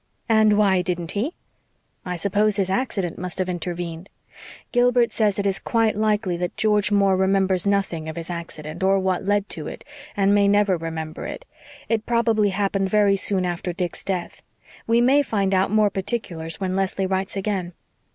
"And why didn't he?" "I suppose his accident must have intervened. Gilbert says it is quite likely that George Moore remembers nothing of his accident, or what led to it, and may never remember it. It probably happened very soon after Dick's death. We may find out more particulars when Leslie writes again."